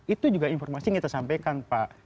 itu juga informasi yang kita sampaikan pak